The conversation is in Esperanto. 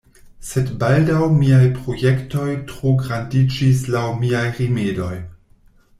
Sed baldaŭ miaj projektoj trograndiĝis laŭ miaj rimedoj.